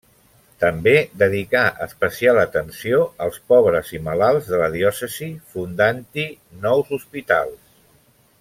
També dedicà especial atenció als pobres i malalts de la diòcesi, fundant-hi nous hospitals.